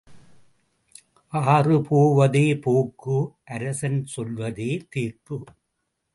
ஆறு போவதே போக்கு அரசன் சொல்வதே தீர்ப்பு.